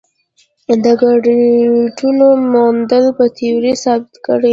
د ګرویټونو موندل به تیوري ثابته کړي.